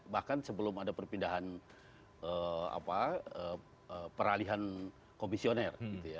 bahkan sebelum ada peralian komisioner